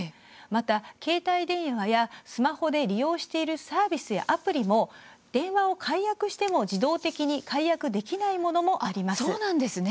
また携帯電話やスマホで利用しているサービスやアプリも電話を解約しても、自動的に解約できないものもあります。